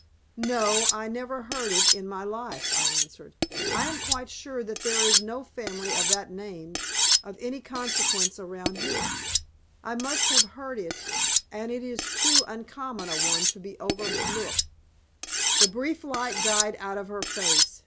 "No, I never heard it in my life," I answered. "I am quite sure that there is no family of that name of any consequence around here. I must have heard it, and it is too uncommon a one to be overlooked." The brief light died out of her face.